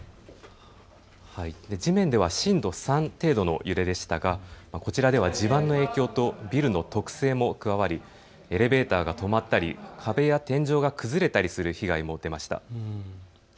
地面では震度３程度の揺れでしたがこちらでは地盤の影響とビルの特性も加わりエレベーターが止まったり壁や天井が崩れたりする被害も受けました。